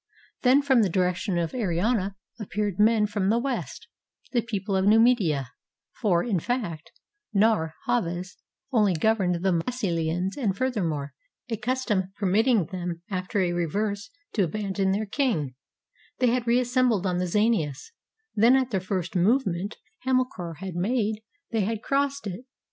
Then from the direction of Ariana appeared men from the west, the people of Numidia, — for, in fact, Narr' Havas only governed the Massylians; and furthermore, a custom permitting them after a reverse to abandon their king, they had reassembled on the Zainus, then at the first movement Hamilcar had made, they had crossed it.